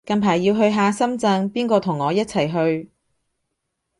近排要去下深圳，邊個同我一齊去